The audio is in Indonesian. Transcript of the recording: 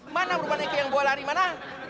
mana berubahnya ke yang bawa lari mana